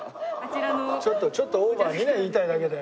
ちょっとちょっとオーバーにね言いたいだけだよね。